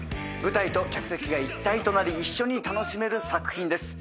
舞台と客席が一体となり一緒に楽しめる作品です。